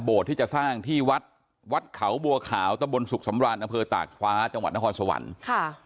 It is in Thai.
ที่จะสร้างที่วัดวัดเขาบัวขาวตะบนสุขสำราญอำเภอตากคว้าจังหวัดนครสวรรค์ค่ะ